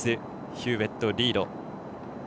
ヒューウェット、リード。